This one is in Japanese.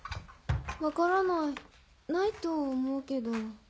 分からないないと思うけど。